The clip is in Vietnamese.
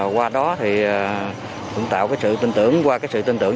qua đó cũng tạo sự tin tưởng qua sự tin tưởng